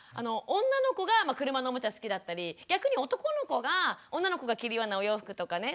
女の子が車のおもちゃ好きだったり逆に男の子が女の子が着るようなお洋服とかね